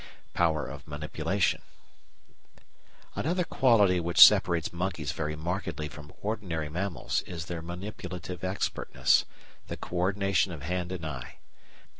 Power of Manipulation Another quality which separates monkeys very markedly from ordinary mammals is their manipulative expertness, the co ordination of hand and eye.